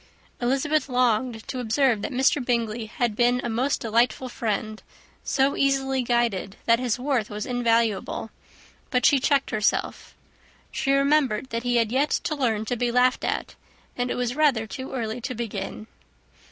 Elizabeth longed to observe that Mr. Bingley had been a most delightful friend; so easily guided that his worth was invaluable; but she checked herself. She remembered that he had yet to learn to be laughed at, and it was rather too early to begin.